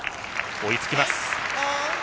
追いつきます。